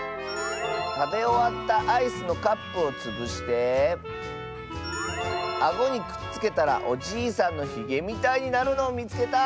たべおわったアイスのカップをつぶしてあごにくっつけたらおじいさんのひげみたいになるのをみつけた！